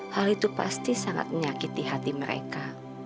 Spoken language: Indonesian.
hal itu pasti sangat menyakiti hati mereka